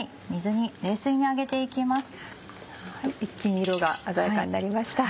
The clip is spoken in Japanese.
ホント一気に色が鮮やかになりました。